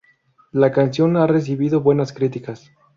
La canción ha recibido buenas críticas.